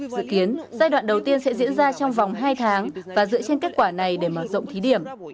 dự kiến giai đoạn đầu tiên sẽ diễn ra trong vòng hai tháng và dựa trên kết quả này để mở rộng thí điểm